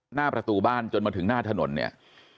หน้าประตูบ้านจนมาถึงหน้าถนนเนี่ย